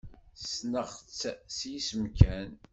Ssneɣ-tt s yisem kan.